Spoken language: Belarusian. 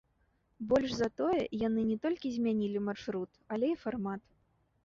Больш за тое, яны не толькі змянілі маршрут, але і фармат.